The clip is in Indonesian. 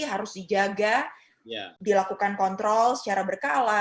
harus dijaga dilakukan kontrol secara berkala